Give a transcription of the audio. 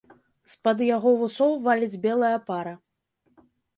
З-пад яго вусоў валіць белая пара.